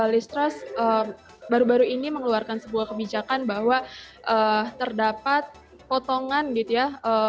listrust baru baru ini mengeluarkan sebuah kebijakan bahwa terdapat potongan gitu ya